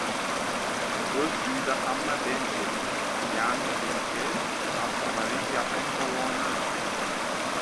• O‘z uyida hamma — Benkey. Ya'ni Benkey — afsonaviy yapon polvoni.